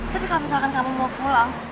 tapi kalau misalkan kamu mau pulang